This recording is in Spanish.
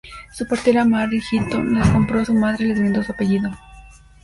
Su partera, Mary Hilton las compró a su madre y les brindó su apellido.